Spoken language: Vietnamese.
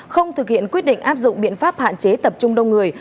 không thực hiện quyết định áp dụng biện pháp hạn chế tập trung đông người